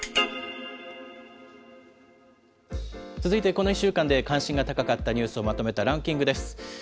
続いて、この１週間で関心が高かったニュースをまとめたランキングです。